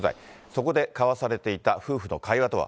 そこで交わされていた夫婦の会話とは。